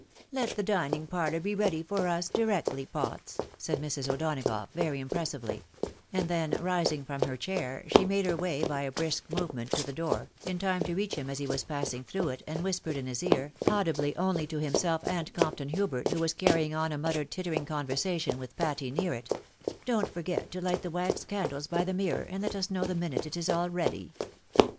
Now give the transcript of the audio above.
" Let the dining parlour be ready for us directly. Potts," said Mrs. O'Donagough, very impressively; and then rising from her chair, she made her way by a brisk movement to the door, in time to reach him as he was passing through it, and whispered in his ear, audibly only to himself and Compton Hubert, who was carrying on a muttered tittering conversation with Patty, near it, " Don't forget to light the wax candles by the mirror, and let us know the minute it is all ready."